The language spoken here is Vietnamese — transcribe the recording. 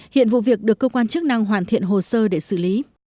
hiện vụ việc được cơ quan chức năng hoàn thiện hồ sơ để xử lý